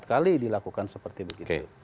empat kali dilakukan seperti begitu